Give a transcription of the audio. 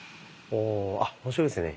あ面白いですね。